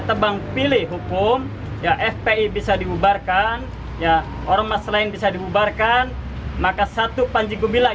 tebang pilih hukum ya fpi bisa diubarkan ya orang mas lain bisa diubarkan maka satu panji kubilang